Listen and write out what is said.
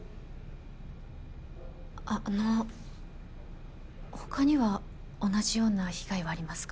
ああの他には同じような被害はありますか？